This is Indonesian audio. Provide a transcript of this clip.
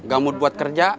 gamut buat kerja